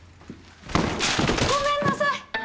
ごめんなさい！